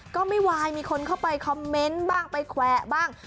ก็ไม่วายมีคนเข้าไปคอมเมนต์บ้างไปแขวะบ้าง